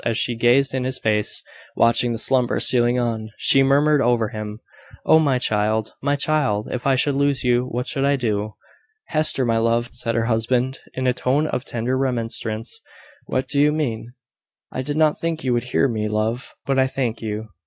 As she gazed in his face, watching the slumber stealing on, she murmured over him "Oh, my child, my child! if I should lose you, what should I do?" "Hester! my love!" said her husband, in a tone of tender remonstrance, "what do you mean?" "I did not think you would hear me, love; but I thank you.